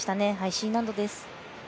Ｃ難度です。